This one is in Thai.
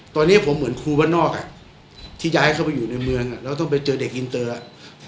ตอนนี้ผมเหมือนครูบ้านนอกอ่ะที่ย้ายเข้าไปอยู่ในเมืองแล้วต้องไปเจอเด็กอินเตอร์อ่ะ